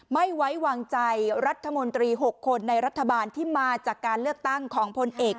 ไม่ไว้วางใจรัฐมนตรี๖คนในรัฐบาลที่มาจากการเลือกตั้งของพลเอก